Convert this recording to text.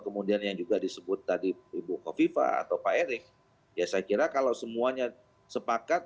kemudian yang juga disebut tadi ibu kofifa atau pak erick ya saya kira kalau semuanya sepakat